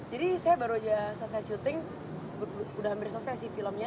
jadi saya baru aja selesai syuting udah hampir selesai sih filmnya